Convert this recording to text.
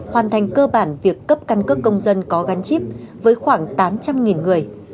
hoàn thành cơ bản việc cấp căn cước công dân có gắn chip với khoảng tám trăm linh người